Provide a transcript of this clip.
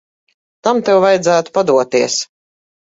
Tam tev vajadzētu padoties.